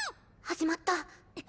始まった。